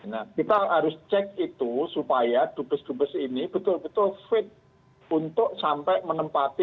nah kita harus cek itu supaya dubes dubes ini betul betul fit untuk sampai menempati